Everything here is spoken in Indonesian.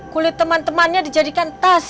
kulit teman temannya dijadikan tas